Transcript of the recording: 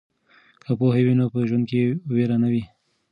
که پوهه وي نو په ژوند کې ویر نه وي.